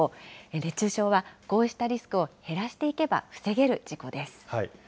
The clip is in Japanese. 熱中症はこうしたリスクを減らしていけば防げる事故です。